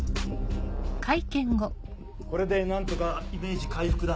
これで何とかイメージ回復だ。